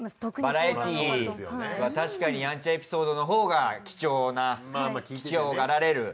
バラエティは確かにやんちゃエピソードのほうが貴重な貴重がられる。